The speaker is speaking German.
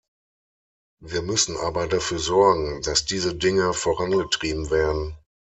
Wir müssen aber dafür sorgen, dass diese Dinge vorangetrieben werden.